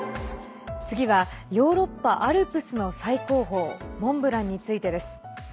次はヨーロッパアルプスの最高峰モンブランについてです。